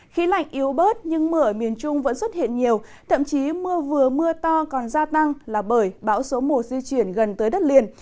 khí lạnh yếu bớt nhưng mưa ở miền trung vẫn xuất hiện nhiều thậm chí mưa vừa mưa to còn gia tăng là bởi bão số một di chuyển gần tới đất liền